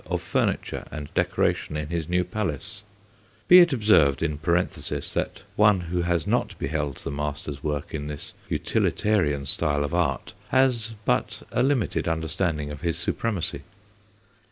of furniture and decoration in his new palace; be it observed in parenthesis, that one who has not beheld the master's work in this utilitarian style of art has but a limited understanding of his supremacy.